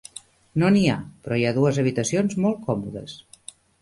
No n'hi ha, però hi ha dues habitacions molt còmodes.